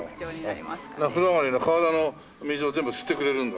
風呂上がりの体の水を全部吸ってくれるんだね。